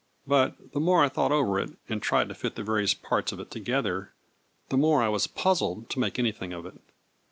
But the more I thought over it, and tried to fit the various parts of it together, the more I was puzzled to make anything of it.